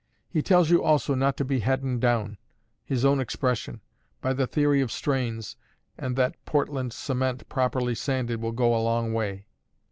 He tells you also not to be 'hadden doun' his own expression by the theory of strains, and that Portland cement, properly sanded, will go a long way."